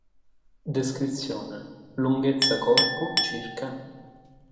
Descrizione: lunghezza corpo ca.